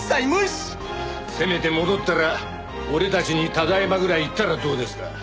せめて戻ったら俺たちに「ただいま」ぐらい言ったらどうですか？